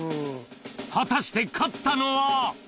果たして勝ったのは？